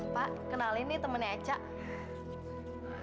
pak kenalin nih temennya echa